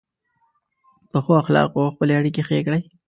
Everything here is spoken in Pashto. په ښو اخلاقو خپلې اړیکې ښې کړئ.